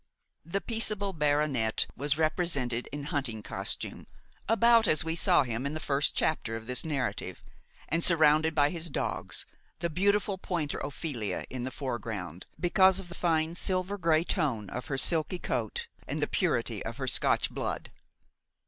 The peaceable baronet was represented in hunting costume, about as we saw him in the first chapter of this narrative, and surrounded by his dogs, the beautiful pointer Ophelia in the foreground, because of the fine silver gray tone of her silky coat and the purity of her Scotch blood.